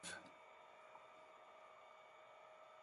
As a scientific leader, Neisser was also very active.